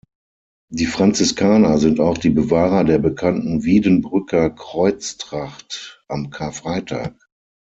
Die Franziskaner sind auch die Bewahrer der bekannten Wiedenbrücker Kreuztracht am Karfreitag.